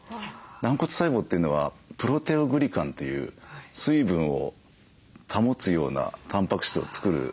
軟骨細胞というのはプロテオグリカンという水分を保つようなたんぱく質を作る細胞なんですね。